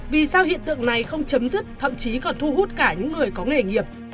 vì sao hiện tượng này không chấm dứt thậm chí còn thu hút cả những người có nghề nghiệp